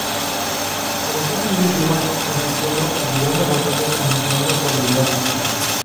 Comenzó a escribir rimas, compitiendo y librando batallas y mejorando su habilidad lítica.